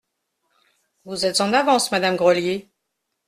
Vous êtes en avance, madame Grelier.